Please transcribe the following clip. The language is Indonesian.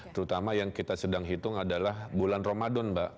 terutama yang kita sedang hitung adalah bulan ramadan mbak